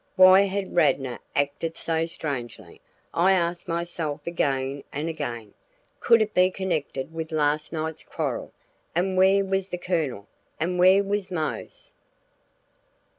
Why had Radnor acted so strangely, I asked myself again and again. Could it be connected with last night's quarrel? And where was the Colonel, and where was Mose?